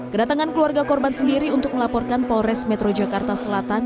kedatangan keluarga korban sendiri untuk melaporkan polres metro jakarta selatan